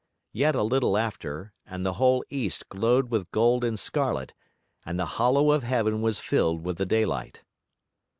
Yet a little after, and the whole east glowed with gold and scarlet, and the hollow of heaven was filled with the daylight.